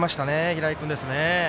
平井君ですね。